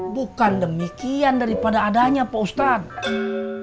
bukan demikian daripada adanya pak ustadz